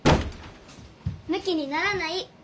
むきにならない！